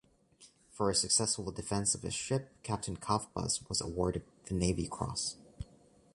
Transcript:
For his successful defense of his ship, Captain Kalfbus was awarded the Navy Cross.